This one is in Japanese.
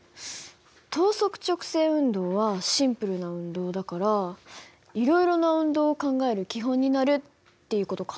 等速直線運動はシンプルな運動だからいろいろな運動を考える基本になるっていう事か。